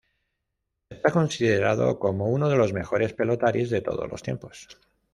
Está considerado como uno de los mejores pelotaris de todos los tiempos.